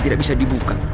tidak bisa dibuka